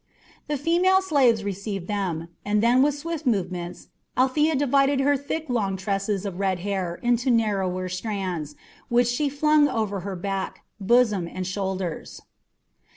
The female slaves received them, and then with swift movements Althea divided her thick long tresses of red hair into narrower strands, which she flung over her back, bosom, and shoulders.